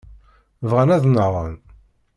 Bɣan ad nnaɣen.